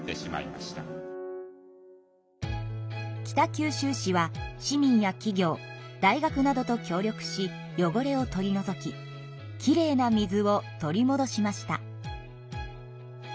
北九州市は市民や企業大学などと協力しよごれを取りのぞききれいな水を取りもどしました。